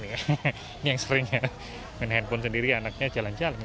ini yang seringnya main handphone sendiri anaknya jalan jalan